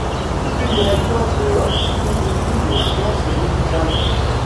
Il fut Directeur de l'Encyclopédie des Sciences médicales.